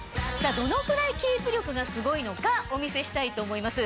どのぐらいキープ力がすごいのかお見せしたいと思います。